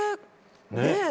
ねえ。